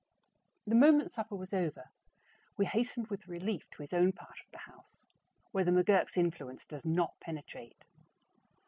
The moment supper was over, we hastened with relief to his own part of the house, where the McGurk's influence does not penetrate.